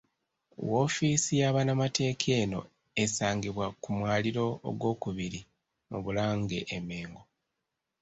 Woofiisi ya bannamateeka eno esangibwa ku mwaliro ogwokubiri mu Bulange e Mmengo.